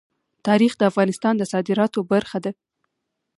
تاریخ د افغانستان د صادراتو برخه ده.